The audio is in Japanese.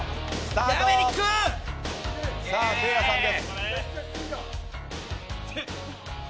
せいやさんです。